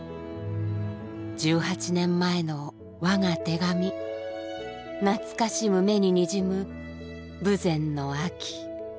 「十八年前のわが手紙なつかしむ眼ににじむ豊前の秋」。